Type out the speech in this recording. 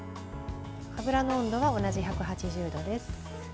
油の温度は同じ１８０度です。